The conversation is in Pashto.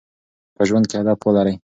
په ژوند کې هدف ولرئ.